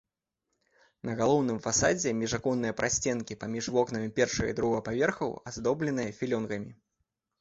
На галоўным фасадзе міжаконныя прасценкі паміж вокнамі першага і другога паверхаў аздоблены філёнгамі.